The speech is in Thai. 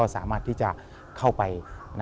สามารถที่จะเข้าไป